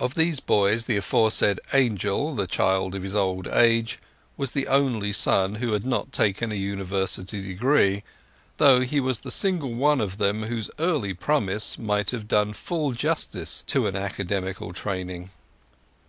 Of these boys the aforesaid Angel, the child of his old age, was the only son who had not taken a University degree, though he was the single one of them whose early promise might have done full justice to an academical training.